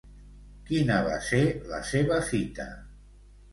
Quina va ser la seva fita?